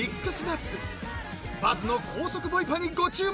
［バズの高速ボイパにご注目］